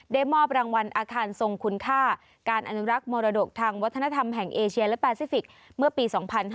ได้มอบรางวัลอาคารทรงคุณค่าการอนุรักษ์มรดกทางวัฒนธรรมแห่งเอเชียและแปซิฟิกเมื่อปี๒๕๕๙